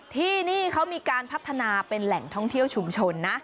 ที่นี่เขามีการพัฒนาเป็นแหล่งท่องเที่ยวชุมชนนะ